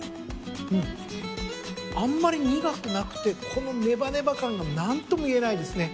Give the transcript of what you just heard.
あんまり苦くなくてこのねばねば感が何とも言えないですね。